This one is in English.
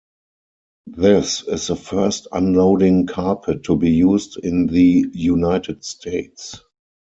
This is the first unloading carpet to be used in the United States.